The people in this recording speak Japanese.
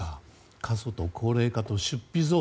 過疎と高齢化と出費増